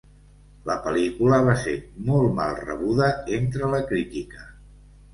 La pel·lícula va ser molt mal rebuda entre la crítica.